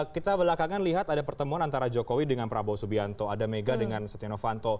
kita belakangan lihat ada pertemuan antara jokowi dengan prabowo subianto ada mega dengan setia novanto